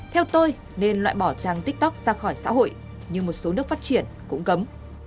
theo tôi nên loại bỏ trang tiktok ra khỏi xã hội như một số nước phát triển cũng cấm